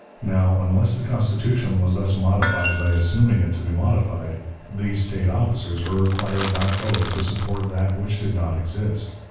Now, unless the Constitution was thus modified by assuming it to be modified, these State officers were required by oath to support that which did not exist.